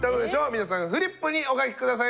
皆さんフリップにお書き下さい。